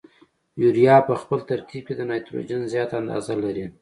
یوریا په خپل ترکیب کې د نایتروجن زیاته اندازه لري.